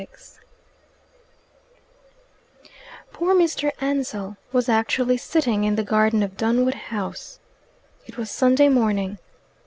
XXVI Poor Mr. Ansell was actually sitting in the garden of Dunwood House. It was Sunday morning.